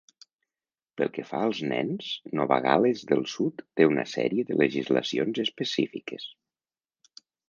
Pel que fa als nens, Nova Gal·les del Sud té una sèrie de legislacions específiques.